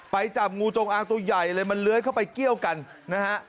จับงูจงอางตัวใหญ่เลยมันเลื้อยเข้าไปเกี้ยวกันนะฮะ